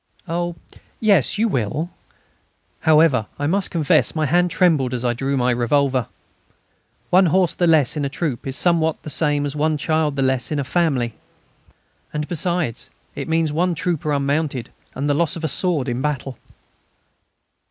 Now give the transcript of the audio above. "Oh! yes, you will." However, I must confess my hand trembled as I drew my revolver. One horse the less in a troop is somewhat the same as one child the less in a family. And, besides, it means one trooper unmounted and the loss of a sword in battle.